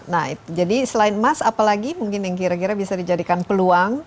nah jadi selain emas apalagi mungkin yang kira kira bisa dijadikan peluang